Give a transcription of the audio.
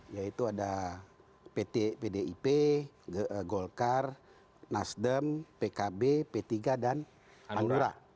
yaitu ada pdip golkar nasdem pkb p tiga dan hanura